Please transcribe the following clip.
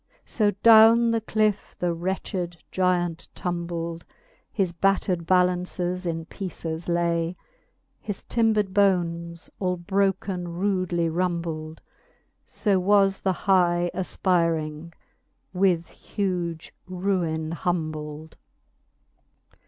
So downe the cliffe the wretched Gyant tumbled ; His battred ballances in peeces lay, His timbered bones all broken rudely rumbled : So was the high afpyring with huge ruine humbled.